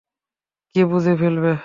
কে বুঝে ফেলবে?